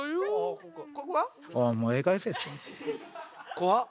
怖っ！